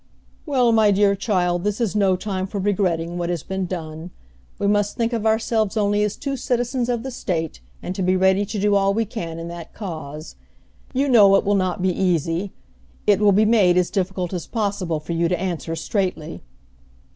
"Well, my dear child, this is no time for regretting what has been done. We must think of ourselves only as two citizens of the state, and be ready to do all we can in that cause. You know it will not be easy, it will be made as difficult as possible for you to answer straightly."